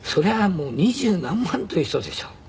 もう二十何万という人でしょ。